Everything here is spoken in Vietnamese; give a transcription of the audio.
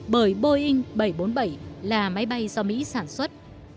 bởi boeing bảy trăm bốn mươi bảy là máy bay do mỹ sản xuất